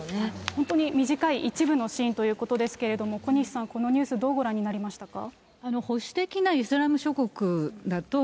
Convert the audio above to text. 本当に短い一部のシーンということですけれども、小西さん、このニュース、どうご覧になりましたか。